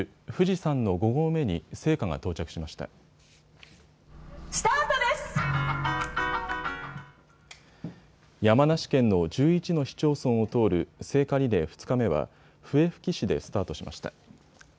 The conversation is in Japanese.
山梨県の１１の市町村を通る聖火リレー２日目は笛吹市でスタートしました。